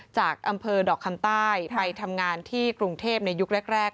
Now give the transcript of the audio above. จากอำเภอดอกคำใต้ไปทำงานที่กรุงเทพในยุคแรก